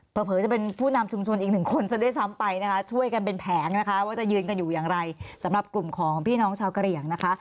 เผลอจะเป็นผู้นำชุมชนอีกหนึ่งคนซะด้วยซ้ำไปนะคะช่วยกันเป็นแผงนะคะว่าจะยืนกันอยู่อย่างไรสำหรับกลุ่มของพี่น้องชาวกะเหลี่ยงนะคะ